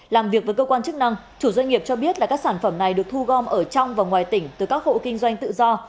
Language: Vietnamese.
làm việc với cơ quan chức năng chủ doanh nghiệp cho biết là các sản phẩm này được thu gom ở trong và ngoài tỉnh từ các hộ kinh doanh tự do